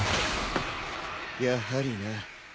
やはりな。